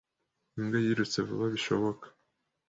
Imbwa yirutse vuba bishoboka.